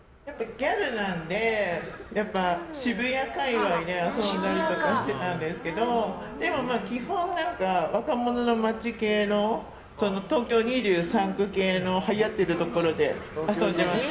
ギャルなんで、渋谷界隈で遊んだりとかしてたんですけどでも基本、若者の街系の東京２３区系のはやってるところで遊んでました。